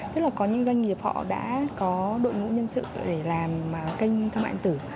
tức là có những doanh nghiệp họ đã có đội ngũ nhân sự để làm kênh thương mại điện tử